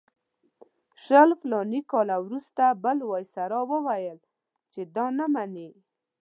شل فلاني کاله وروسته بل وایسرا وویل چې دا نه مني.